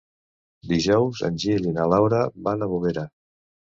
Dijous en Gil i na Laura van a Bovera.